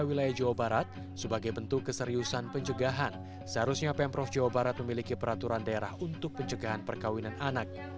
wilayah jawa barat sebagai bentuk keseriusan pencegahan seharusnya pemprov jawa barat memiliki peraturan daerah untuk pencegahan perkawinan anak